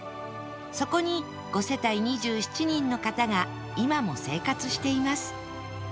そこに５世帯２７人の方が今も生活しています